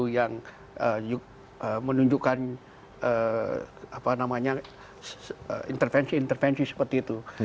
yang menunjukkan intervensi intervensi seperti itu